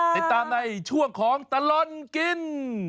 ติดตามในช่วงของตลอดกิน